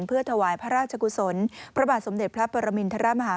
เพื่อถวายพระราชกุศลพระบาทสมเด็จพระปรมินทรมาฮา